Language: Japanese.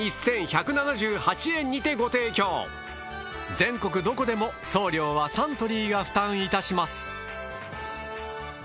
全国どこでも送料はサントリーが負担いたします。